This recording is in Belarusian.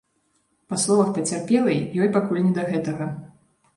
Па словах пацярпелай, ёй пакуль не да гэтага.